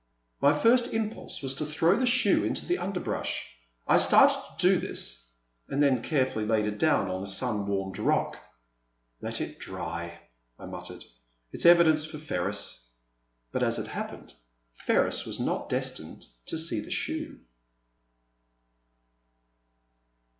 '* My first impulse was to throw the shoe into the underbrush. I started to do this, and then carefully laid it down on a sun warmed rock. I^t it dry," I muttered ;it *s evidence for Ferris.*' But as it happened, Ferris was not des tined to see the shoe.